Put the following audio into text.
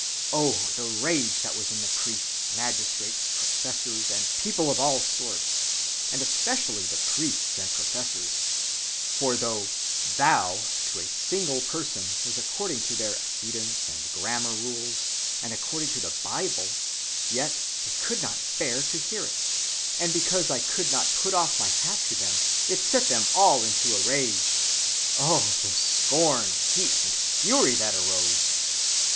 Oh! the rage that was in the priests, magistrates, professors, and people of all sorts: and especially in priests and professors: for though 'thou' to a single person was according to their accidence and grammar rules, and according to the Bible, yet they could not bear to hear it: and because I could not put off my hat to them, it set them all into a rage.... Oh! the scorn, heat, and fury that arose!